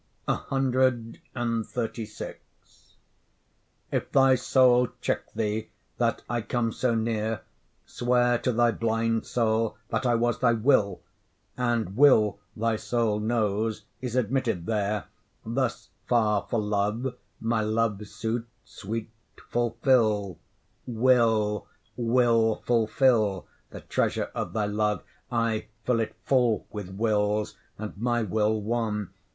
CXXXVI If thy soul check thee that I come so near, Swear to thy blind soul that I was thy 'Will', And will, thy soul knows, is admitted there; Thus far for love, my love suit, sweet, fulfil. 'Will', will fulfil the treasure of thy love, Ay, fill it full with wills, and my will one.